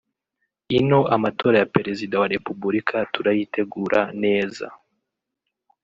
Ino amatora ya Perezida wa Republika turayitegura neza